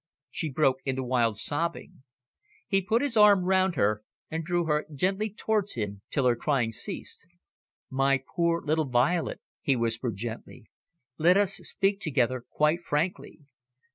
She broke into wild sobbing. He put his arm round her, and drew her gently towards him, till her crying ceased. "My poor little Violet," he whispered gently. "Let us speak together quite frankly.